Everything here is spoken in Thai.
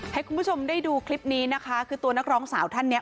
ให้คุณผู้ชมได้ดูคลิปนี้นะคะคือตัวนักร้องสาวท่านเนี้ย